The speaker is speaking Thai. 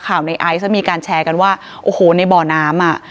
ในไอซ์ก็มีการแชร์กันว่าโอ้โหในบ่อน้ำอ่ะ